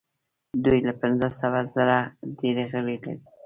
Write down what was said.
دوی له پنځه سوه زره ډیر غړي لري.